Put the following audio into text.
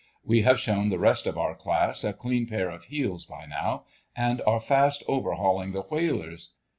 We have shown the rest of our class a clean pair of heels by now, and are fast overhauling the whalers.